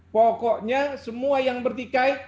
pokoknya semua yang berdikai